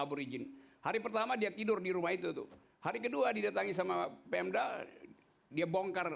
berizin hari pertama dia tidur di rumah itu tuh hari kedua didatangi sama pemda dia bongkar